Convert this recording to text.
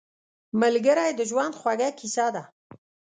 ملګری د ژوند خوږه کیسه ده